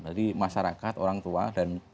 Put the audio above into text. jadi masyarakat orang tua dan